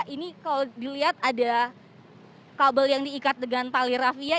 ini kalau dilihat ada kabel yang diikat dengan tali rafia